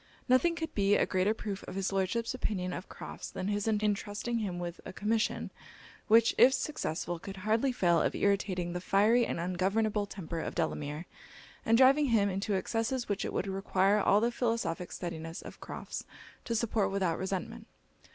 Nothing could be a greater proof of his Lordship's opinion of Crofts than his entrusting him with a commission, which, if successful, could hardly fail of irritating the fiery and ungovernable temper of Delamere, and driving him into excesses which it would require all the philosophic steadiness of Crofts to support without resentment.